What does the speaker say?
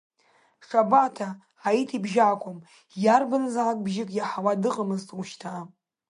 Шабаҭа Ҳаиҭ ибжьы акәым иарбанызаалак бжьык иаҳауа дыҟаӡамызт ушьҭа.